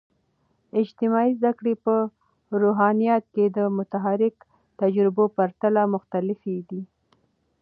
اجتماعي زده کړې په روحانيات کې د متحرک تجربو په پرتله مختلفې دي.